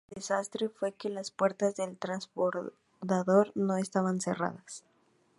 La causa del desastre fue que las puertas del transbordador no estaban cerradas.